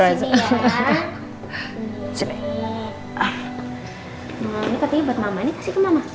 ini katanya buat mama ini kasih ke mama